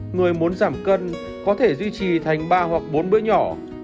người muốn giảm cân có thể duy trì thành ba hoặc bốn bữa nhỏ